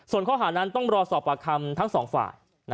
ส่วนข้อหานั้นต้องรอสอบปากคำทั้งสองฝ่าย